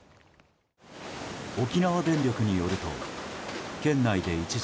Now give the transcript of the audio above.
沖縄電力によると県内で一時